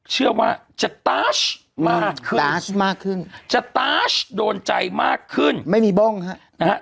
เชื่อว่าจะต้าชมากขึ้นจะต้าชโดนใจมากขึ้นไม่มีบ้งครับ